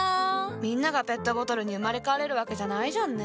みんながペットボトルに生まれ変われるわけじゃないじゃんね。